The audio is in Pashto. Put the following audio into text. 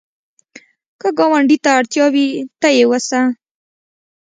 که ګاونډي ته اړتیا وي، ته یې وسه